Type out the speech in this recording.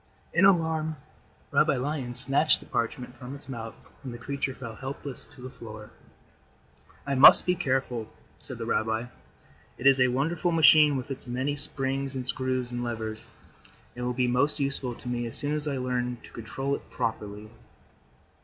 In alarm, Rabbi Lion snatched the parchment from its mouth and the creature fell helpless to the floor. "I must be careful," said the rabbi. "It is a wonderful machine with its many springs and screws and levers, and will be most useful to me as soon as I learn to control it properly."